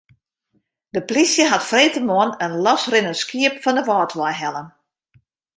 De polysje hat freedtemoarn in losrinnend skiep fan de Wâldwei helle.